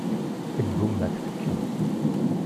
Tegguma tfekka.